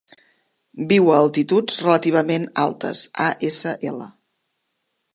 Viu a altituds relativament altes, ASL.